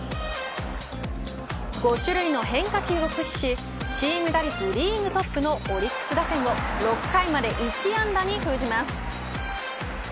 ５種類の変化球を駆使しチーム打率リーグトップのオリックス打線を６回まで１安打に封じます。